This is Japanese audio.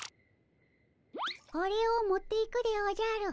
これを持っていくでおじゃる。